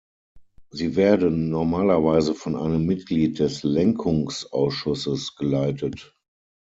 Sie werden normalerweise von einem Mitglied des Lenkungsausschusses geleitet.